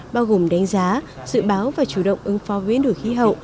bao gồm đánh giá dự báo và chủ động ứng phó với biến đổi khí hậu